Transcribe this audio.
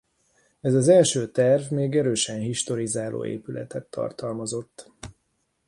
Ez az első terv még erősen historizáló épületet tartalmazott.